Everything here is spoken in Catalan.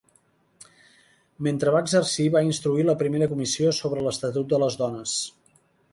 Mentre va exercir va instituir la primera comissió sobre l'Estatut de les Dones.